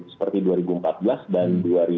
seperti dua ribu empat belas dan dua ribu sembilan belas